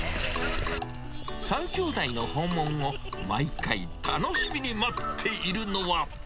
３きょうだいの訪問を、毎回楽しみに待っているのは。